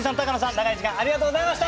長い時間ありがとうございました。